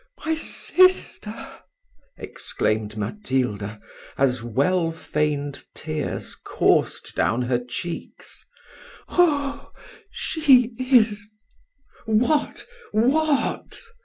my sister!" exclaimed Matilda, as well feigned tears coursed down her cheeks, "oh! she is " "What! what!"